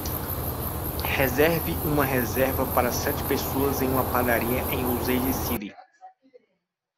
Reserve uma reserva para sete pessoas em uma padaria em Osage City